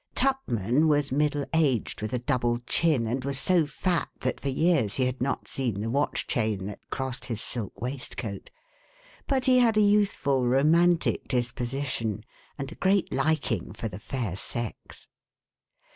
Tupman was middle aged with a double chin and was so fat that for years he had not seen the watch chain that crossed his silk waistcoat. But he had a youthful, romantic disposition, and a great liking for the fair sex.